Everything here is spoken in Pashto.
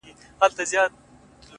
دا وايي دا توره بلا وړي څوك’